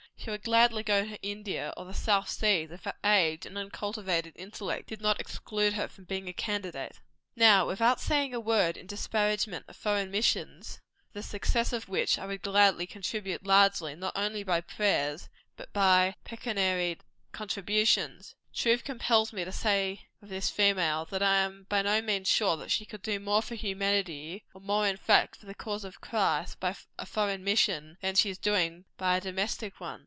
She would gladly go to India, or the South Seas, if her age and uncultivated intellect did not exclude her from being a candidate. Now, without saying a word in disparagement of foreign missions for the success of which I would gladly contribute largely, not only by prayers, but by pecuniary contributions truth compels me to say of this female, that I am by no means sure she could do more for humanity, or more, in fact, for the cause of Christ, by a foreign mission, than she is now doing by a domestic one.